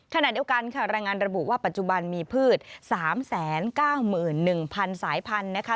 ขณะเดียวกันค่ะรายงานระบุว่าปัจจุบันมีพืช๓๙๑๐๐๐สายพันธุ์นะคะ